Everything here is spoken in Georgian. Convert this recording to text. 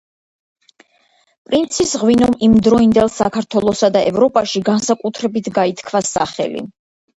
პრინცის ღვინომ იმდროინდელ საქართველოსა და ევროპაში განსაკუთრებით გაითქვა სახელი.